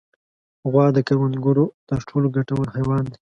غوا د کروندګرو تر ټولو ګټور حیوان دی.